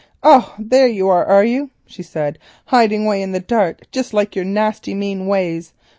"Oh, there you are, are you?" she said, "hiding away in the dark—just like your nasty mean ways.